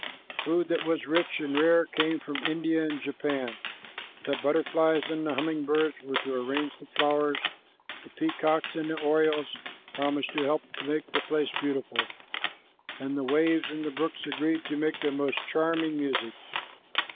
Food that was rich and rare came from India and Japan. The butterflies and the humming birds were to arrange the flowers, the peacocks and the orioles promised to help make the place beautiful, and the waves and the brooks agreed to make their most charming music.